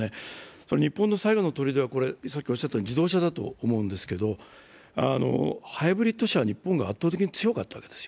日本の最後のとりでは自動車だと思うんですけど、ハイブリッド車は日本が圧倒的に強かったわけですよ。